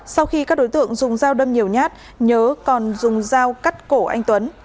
sau khi các đối tượng dùng dao đâm nhiều nhát nhớ còn dùng dao cắt cổ anh tuấn